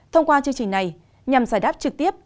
thông qua chương trình này nhằm giải đáp trực tiếp